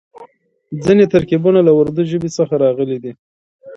ځينې ترکيبونه له اردو ژبې څخه راغلي دي.